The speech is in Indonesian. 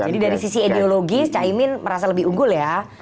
jadi dari sisi ideologis caimin merasa lebih unggul ya